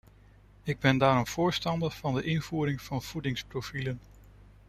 Ik ben daarom voorstander van de invoering van voedingsprofielen.